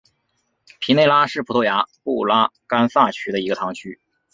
皮内拉是葡萄牙布拉干萨区的一个堂区。